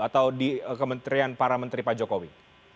atau di kementerian para menteri pak jokowi